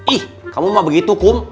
ih kamu mah begitu kum